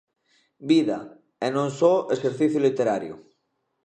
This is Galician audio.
Vida, e non só exercicio literario.